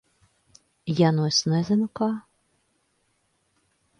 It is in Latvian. Ja nu es nezinu, kā?